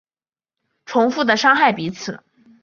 重复的伤害彼此